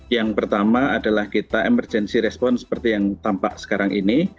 yang pertama adalah kita emergency response seperti yang tampak sekarang ini